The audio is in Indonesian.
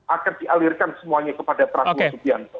akan dialirkan semuanya kepada prabowo subianto